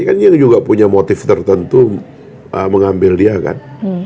kan dia juga punya motif tertentu mengambil dia kan